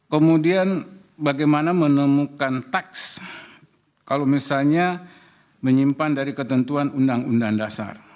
kemudian bagaimana menemukan teks kalau misalnya menyimpan dari ketentuan undang undang dasar